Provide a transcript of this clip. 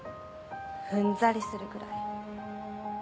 うんざりするくらい。